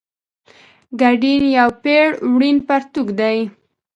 ګډین یو پېړ وړین پرتوګ دی.